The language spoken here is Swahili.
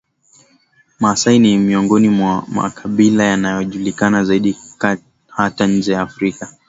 maasai ni miongoni mwa makabila yanayojulikana zaidi hata nje ya Afrika